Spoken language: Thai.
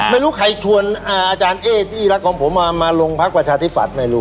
ไม่รู้ใครชวนอาจารย์เอ๊ที่รักของผมมาลงพักประชาธิปัตย์ไม่รู้